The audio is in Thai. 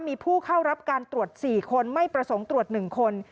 มีผู้เข้ารับการตรวจ๔คนไม่ประสงค์ตรวจ๑คน